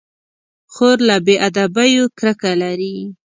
خور له بې ادبيو کرکه لري.